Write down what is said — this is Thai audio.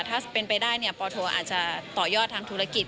ถ้าเป็นไปได้ปโทอาจจะต่อยอดทางธุรกิจ